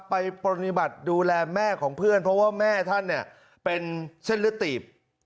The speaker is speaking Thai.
ไปปฏิบัติดูแลแม่ของเพื่อนเพราะว่าแม่ท่านเนี่ยเป็นเส้นเลือดตีบ